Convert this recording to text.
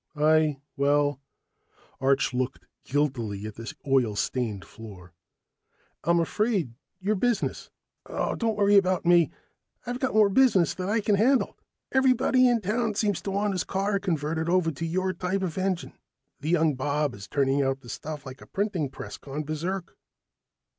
"I well " Arch looked guiltily at the oil stained floor. "I'm afraid your business " "Oh, don't worry about me. I've got more business than I can handle. Everybody in town seems to want his car converted over to your type of engine. That young Bob is turning out the stuff like a printing press gone berserk."